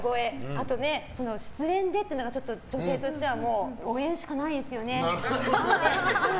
あと失恋でっていうのが女性としてはもう、応援しかないですよね！